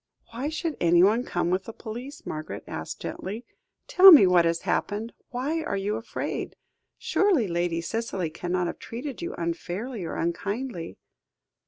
"Why should anyone come with the police?" Margaret asked gently; "tell me what has happened why are you afraid? Surely Lady Cicely cannot have treated you unfairly or unkindly?"